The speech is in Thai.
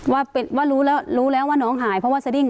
ว่าเป็นว่ารู้แล้วรู้แล้วว่าน้องหายเพราะว่าสดิ้ง